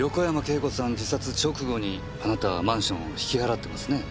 自殺直後にあなたはマンションを引き払ってますね。